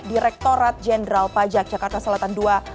direktorat jenderal pajak jakarta selatan ii